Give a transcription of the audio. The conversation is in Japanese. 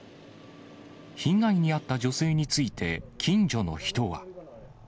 被害に遭った女性について、近所の人は。